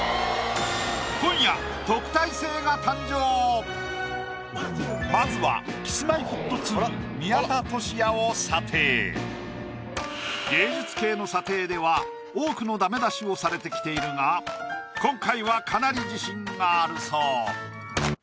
今夜まずは芸術系の査定では多くのダメ出しをされてきているが今回はかなり自信があるそう。